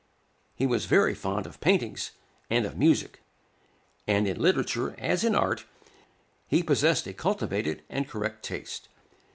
He was very fond of paintings, and of music; and, in literature as in art, he possessed a cultivated and correct taste.